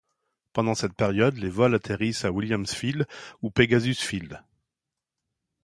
Pendant cette période les vols atterrissent à Williams Field ou Pegasus Field.